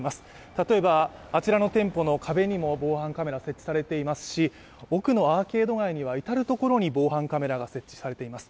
例えばあちらの店舗の壁にも防犯カメラ、設置されていますし奥のアーケード街には至る所に防犯カメラが設置されています。